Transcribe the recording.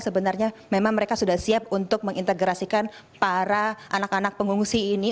sebenarnya memang mereka sudah siap untuk mengintegrasikan para anak anak pengungsi ini